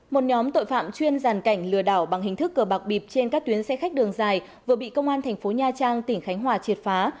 một nhóm tội phạm chuyên giàn cảnh lừa đảo bằng hình thức cờ bạc bịp trên các tuyến xe khách đường dài vừa bị công an thành phố nha trang tỉnh khánh hòa triệt phá